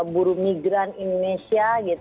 buruh migran indonesia